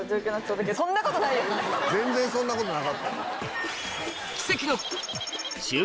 全然そんなことなかった。